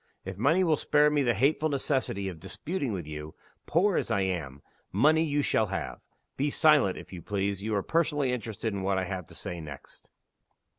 If money will spare me the hateful necessity of disputing with you poor as I am, money you shall have. Be silent, if you please. You are personally interested in what I have to say next."